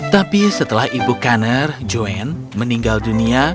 tapi setelah ibu connor joanne meninggal dunia